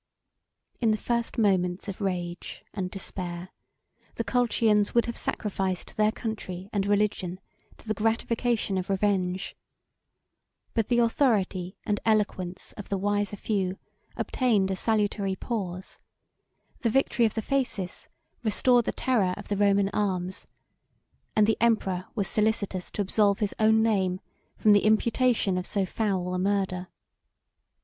In the first moments of rage and despair, the Colchians would have sacrificed their country and religion to the gratification of revenge. But the authority and eloquence of the wiser few obtained a salutary pause: the victory of the Phasis restored the terror of the Roman arms, and the emperor was solicitous to absolve his own name from the imputation of so foul a murder.